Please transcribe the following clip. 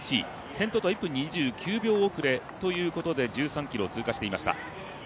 先頭とは１分２９秒遅れということで１３ｋｍを通過していました。